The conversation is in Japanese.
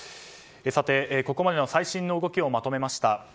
さて、ここまでの最新の動きをまとめました。